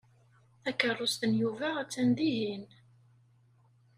Takeṛṛust n Yuba attan dihin.